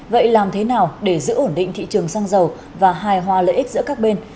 vậy làm thế nào để giữ ổn định thị trường xăng dầu và hài hòa lợi ích giữa các bên